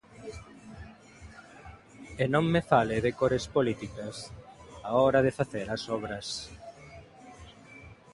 E non me fale de cores políticas á hora de facer as obras.